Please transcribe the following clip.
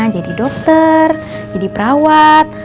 jadi dokter jadi perawat